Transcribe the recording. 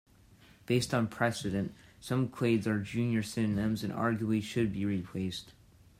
Based on precedent, some clades are junior synonyms and arguably should be replaced.